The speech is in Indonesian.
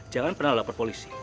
jangan pernah lapor polisi